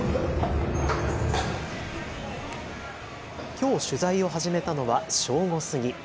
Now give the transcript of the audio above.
きょう取材を始めたのは正午過ぎ。